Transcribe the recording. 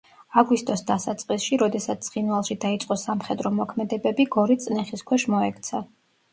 აგვისტოს დასაწყისში, როდესაც ცხინვალში დაიწყო სამხედრო მოქმედებები, გორი წნეხის ქვეშ მოექცა.